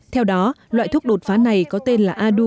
theo đó loại thuốc đột phá này có tên là adu